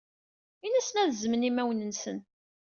In-asen ad zemmen imawen-nsen.